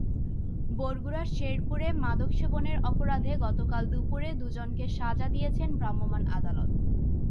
বগুড়ার শেরপুরে মাদক সেবনের অপরাধে গতকাল দুপুরে দুজনকে সাজা দিয়েছেন ভ্রাম্যমাণ আদালত।